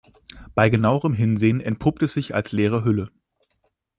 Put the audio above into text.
Bei genauerem Hinsehen entpuppt es sich als leere Hülle.